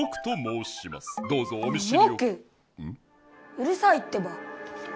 うるさいってば！